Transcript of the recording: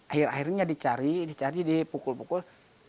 akhirnya dicari dicari dipukul pukul